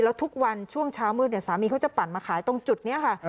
แล้วทุกวันช่วงเช้ามืดสามีเขาจะปั่นมาขายตรงจุดนี้ค่ะ